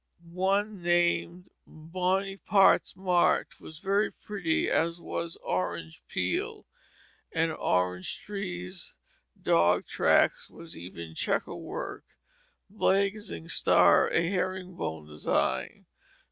One named "Bony Part's March" was very pretty, as was "Orange Peel," and "Orange Trees"; "Dog Tracks" was even checkerwork, "Blazing Star," a herring bone design.